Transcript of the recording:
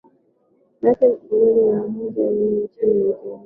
Miaka ya elfu moja na mia nne uko nchini Uingereza